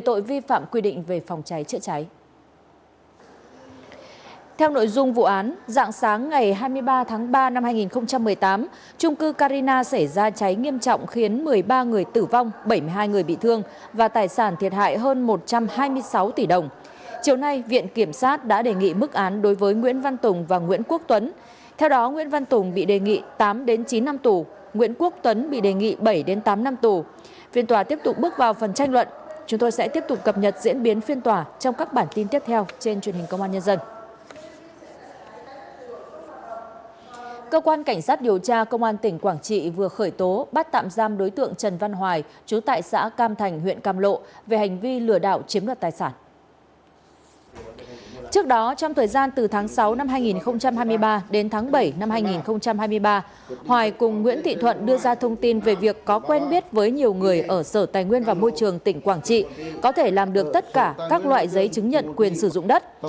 trong thời gian từ tháng sáu năm hai nghìn hai mươi ba đến tháng bảy năm hai nghìn hai mươi ba hoài cùng nguyễn thị thuận đưa ra thông tin về việc có quen biết với nhiều người ở sở tài nguyên và môi trường tỉnh quảng trị có thể làm được tất cả các loại giấy chứng nhận quyền sử dụng đất